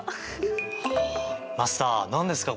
マスター何ですか？